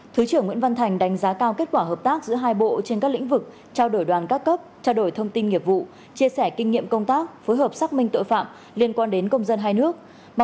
thứ trưởng nguyễn văn thành đánh giá cao kết quả hợp tác giữa hai bộ trên các lĩnh vực trao đổi đoàn các cấp trao đổi thông tin nghiệp vụ chia sẻ kinh nghiệm công tác phối hợp xác minh tội phạm liên quan đến công dân hai nước